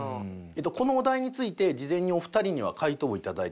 このお題について事前にお二人には回答をいただいております。